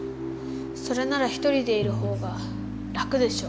それなら一人でいる方が楽でしょ。